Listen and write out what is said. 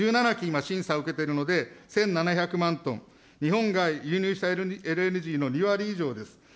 今、審査受けてるので、１７００万トン、日本が輸入したＬＮＧの２割以上です。